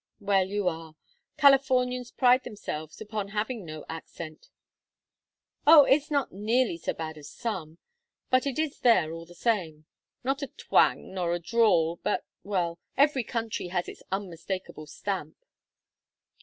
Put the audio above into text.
"Well, you are. Californians pride themselves upon having no accent." "Oh, it is not nearly so bad as some. But it is there all the same. Not a twang nor a drawl, but well every country has its unmistakable stamp."